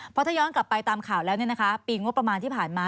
เพราะถ้าย้อนกลับไปตามข่าวแล้วปีงบประมาณที่ผ่านมา